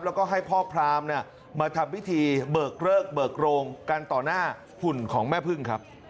แล้วก็ให้พ่อพรามมาทำพิธีเบิกเลิกเบิกโรงกันต่อหน้าหุ่นของแม่พึ่งครับ